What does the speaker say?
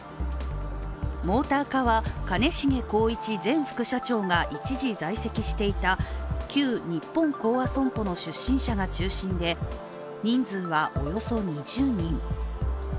モーター課は、兼重宏一前副社長が一時在籍していた旧日本興亜損保の出身者が中心で人数はおよそ２０人。